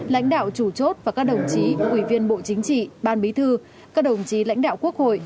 lãnh đạo chủ chốt và các đồng chí ủy viên bộ chính trị ban bí thư các đồng chí lãnh đạo quốc hội